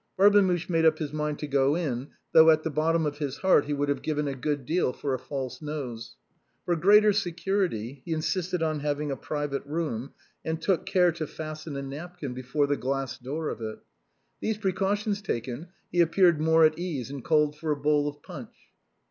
Barbemuche made up his mind to go in, though at the bottom of his heart he would have given a good deal for a false nose. For greater security, he insisted on having a private room, and took care to fasten a napkin before the glass door of it. These precautions taken, he appeared more at ease, and called for a bowl of punch.